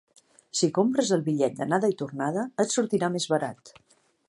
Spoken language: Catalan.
Si compres el bitllet d'anada i tornada, et sortirà més barat.